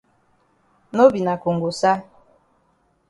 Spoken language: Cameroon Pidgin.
No be na kongosa.